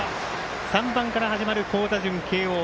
３番から始まる好打順、慶応。